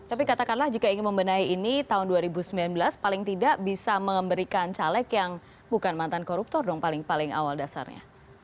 tapi katakanlah jika ingin membenahi ini tahun dua ribu sembilan belas paling tidak bisa memberikan caleg yang bukan mantan koruptor dong paling awal dasarnya